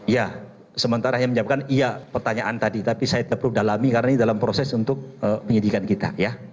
ya sementara yang menjawabkan iya pertanyaan tadi tapi saya terpulang dalami karena ini dalam proses untuk menyedihkan kita